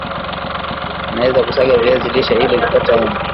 waweza kusaga viazi lishe ili kupata unga